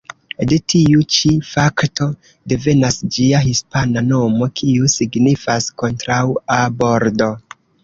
De tiu ĉi fakto devenas ĝia hispana nomo, kiu signifas "kontraŭa bordo".